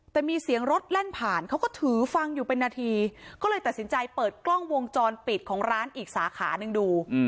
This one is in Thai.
แต่มีเสียงรถแล่นผ่านเขาก็ถือฟังอยู่เป็นนาทีก็เลยตัดสินใจเปิดกล้องวงจรปิดของร้านอีกสาขาหนึ่งดู